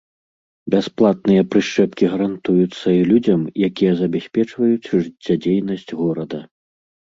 Бясплатныя прышчэпкі гарантуюцца і людзям, якія забяспечваюць жыццядзейнасць горада.